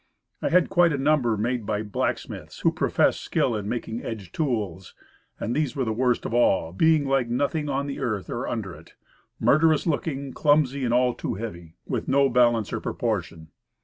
I had quite a number made by black smiths who professed skill in making edge tools, and these were the worst of all, being like nothing on the earth or under it murderous looking, clumsy, and all too heavy, with no balance or proportion.